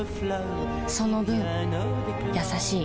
その分優しい